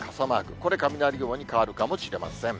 これ、雷雲に変わるかもしれません。